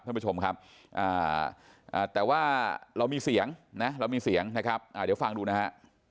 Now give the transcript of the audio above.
ท่านผู้ชมครับแต่ว่าเรามีเสียงนะเรามีเสียงนะครับเดี๋ยวฟังดูนะฮะ